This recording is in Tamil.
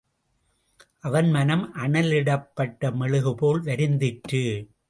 அவன் மனம் அனலிடப்பட்ட மெழுகுபோல் வருந்திற்று.